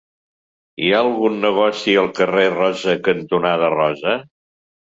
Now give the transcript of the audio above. Hi ha algun negoci al carrer Rosa cantonada Rosa?